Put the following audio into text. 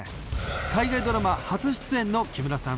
海外ドラマ初出演の木村さん